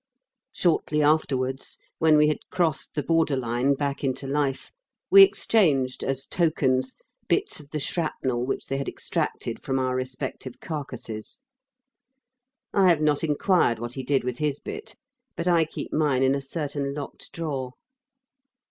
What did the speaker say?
Shortly afterwards when we had crossed the border line back into life, we exchanged, as tokens, bits of the shrapnel which they had extracted from our respective carcases. I have not enquired what he did with his bit; but I keep mine in a certain locked drawer....